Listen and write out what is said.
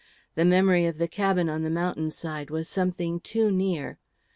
The memory of the cabin on the mountain side was something too near.